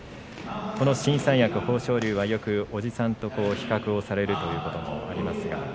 この新三役豊昇龍はよく叔父さんと比較されるということがあります。